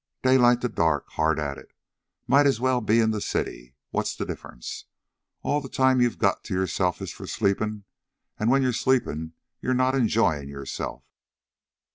Daylight to dark, hard at it might just as well be in the city. What's the difference? Al' the time you've got to yourself is for sleepin', an' when you're sleepin' you're not enjoyin' yourself.